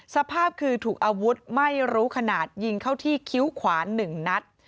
สภาพคือถูกอาวุธไม่รู้ขนาดยิงเข้าที่คิ้วขวา๑นัด